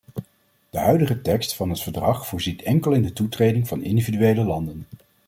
De huidige tekst van het verdrag voorziet enkel in de toetreding van individuele landen.